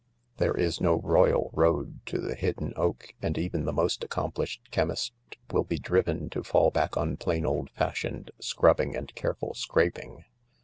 There is no royal road to the hidden oak, and even the most accomplished chemist will be driven to fall back on plain old fashioned scrubbing and careful scraping.